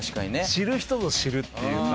知る人ぞ知るっていうか。